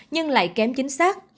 nhưng lại kém chính xác